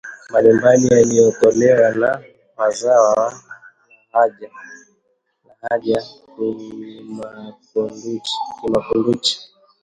mbalimbali yaliyotolewa na wazawa wa lahaja ya Kimakunduchi